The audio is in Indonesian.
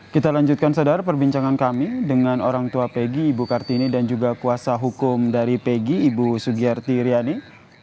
kita lanjutkan saudara perbincangan kami dengan orang tua pegi ibu kartini dan juga kuasa hukum dari pegi ibu sugiyarti riani